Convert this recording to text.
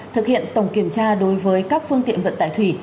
thực hiện tổng kiểm tra đối với các phương tiện vận tải thủy